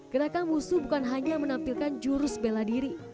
gerakan wushu bukan hanya menampilkan jurus bela diri